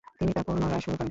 তিনি তা পুনরায় শুরু করেন।